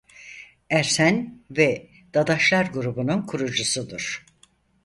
Ersen ve Dadaşlar grubunun kurucusudur.